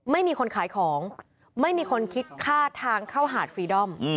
ไม่มีคนขายของไม่มีคนคิดค่าทางเข้าหาดฟรีดอม